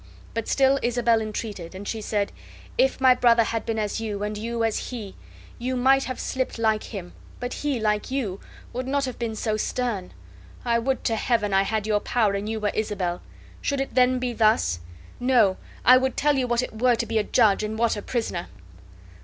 But still Isabel entreated; and she said: "If my brother had been as you, and you as he, you might have slipped like him, but he, like you, would not have been so stern. I would to Heaven I had your power and you were Isabel. Should it then be thus? No, I would tell you what it were to be a judge, and what a prisoner."